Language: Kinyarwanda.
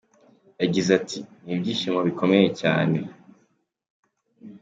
Yagize ati “Ni ibyishimo bikomeye cyane.